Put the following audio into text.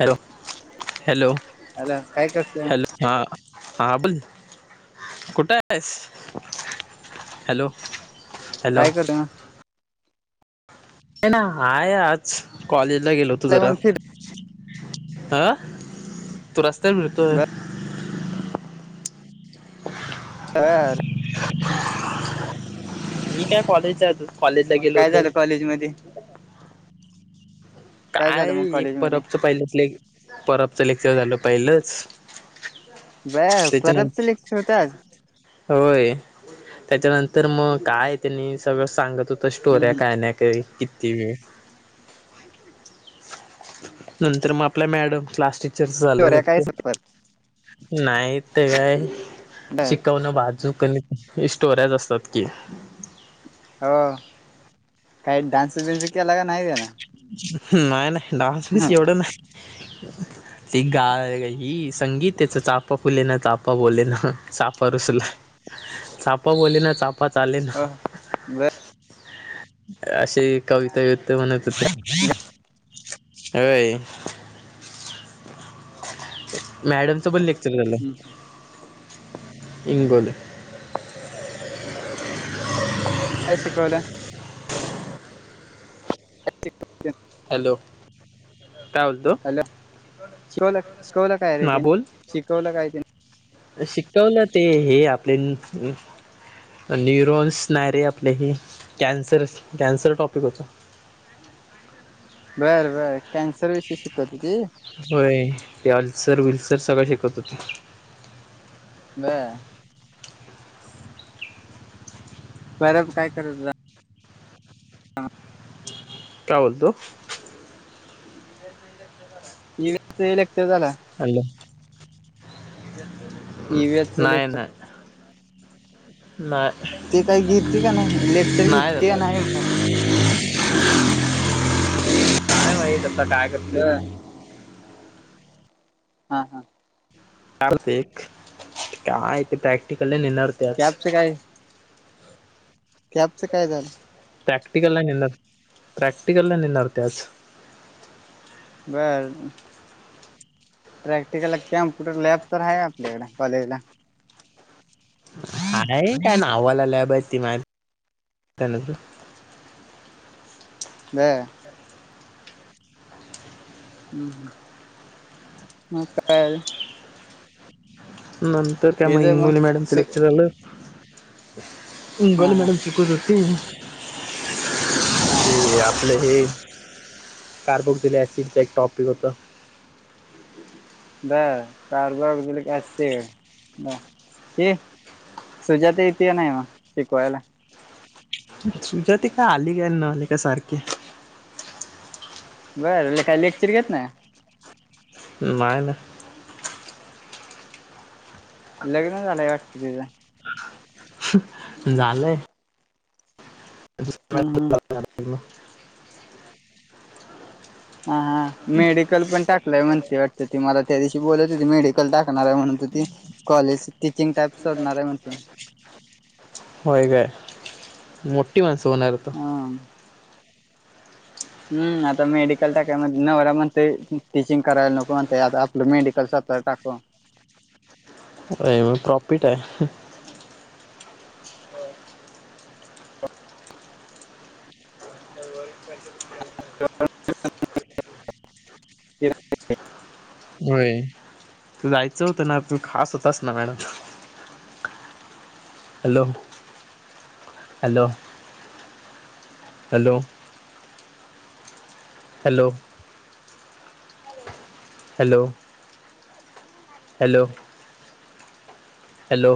Hello. Hello. Hello काय करतोय hello. हा. हा. बल कुठे आहेस? हॅलो. हॅलो काय करते ना? ना आहे आज. कॉलेजला गेलो होतो जरा. मग फिर आं? तू रस्त्या [unintelligible] [unintelligible] मी काय कॉलेज जातोय. मग काय झालं कॉलेजमध्ये? काय, झालं मग एक कॉलेज मध्ये परबचं पहिलं ले परबचं लेक्चर झालं पहिलंच. [unintelligible] परबच त्याच्यानंतर लेक्चर होत आज? होय. त्याच्यानंतर म काय त्यांनी सगळं सांगत होते - त स्टोऱ्या हम्म काय नाही काही किती वेळ. नंतर मग आपल्या मॅडम क्लास टीच - -रच झालं स्टोऱ्या काय लेक्चर. सुपर नाही ते काय बर शिकवण बा - जू कमी. स्टोऱ्याच असतात की. हो. काही डान्स बिन्स केला का नाही त्यान? नाही. नाही. डान्स बीन्स एवढ नाही. त गाय ही संगीतेच [unintelligible] चाफा फुले ना, चाफा बोले ना, चाफा रुसला. चाफा बोलेना, चाफ - -फा चालेना. हो बर अशी कविता बिविता म्हण- अय. मॅडमच पण लेक्चर झाल. [unintelligible] काय शिकवलं? हॅलो. [unintelligible] काय बोलतो हॅलो. शिकवला शिकवला काय रे हा त्यानि? बोल शिकवला काय तीना? शिकवलं ते हे आपले - न्यूरोन्स नायरे आपले हे कॅन्सर. कॅन्सर टॉपिक होतं. बरं बरं. कॅन्सर विषयी शिकवते ती. व्हय. ते अलसर विलसर सगळं शिकवत होती. ब. परवा तू काय करत होता? काय बोलतो? [unintelligible] [unintelligible] लेक्चर झाला. हॅलो. ईव्हीएस चा नाय. लेक्चर नाय. नाय. ते काही घेते का नाही लेक्चर नाय घेते का झालं. नाही मग काय माहित आता काय. करतोय बर. हा हा. काय [unintelligible] काय ते प्रॅक्टिकल नाही लिहणार. कॅपच काय? कॅपचं काय झालं? प्रॅक्टिकल नाही मिळत. प्रॅक्टिकलला नेणार होते आज. बर. प्रॅक्टिकलला कॅम्प्युटर लॅब तर हाय आपल्याकडे कॉलेजला. [unintelligible] काय नावाला लॅब आहे ती [unintelligible] ह. हम्. ह. म काय? नंतर म त्या हे मग ज इंगवले मॅडम च लेक्चर झालं. हा इंगवले हा मॅडम शिकवत होती. [unintelligible] ते आपलं हे. कार्बोक्सलेक आसिडच एक टॉपिक होत. बर. कार्बोहायड्रोलिक ऍसिड क [unintelligible] सुजाता येतीय का नाही मग शिकवायला? सुजाता काय आली न आली काय सारखी. बरं लेखाय लेक्चिर घेत नाय. नाय नाय. लग्न झालंय वाटत तीज. ह [unintelligible] ह झालंय. [unintelligible] हा, हा. [unintelligible] हा, हा मेडिकल पण टाकलय म्हणती वाटत, ती मला त्या दिवशी बोलत होती मेडिकल टाक कणार म्हणून त ती, कॉलेज टीचिंग टाईप सोडणार आहे म्हणती. होय गं मोठी माणसं होणारेत. आ हं! हूं आता मेडिकल टाकायमध नवरा म्हणतोय टीचिंग करायला नको म्हणतय, आता आपलं मेडिकल स्वतः टाकू. होय म प्रॉफिट आहे. [unintelligible] [unintelligible] [inaudible] [unintelligible] व्हयं तू जायचं होतं ना, तू खास होतास ना madam hello, hello, hello. Hello! Hello! Hello! Hello!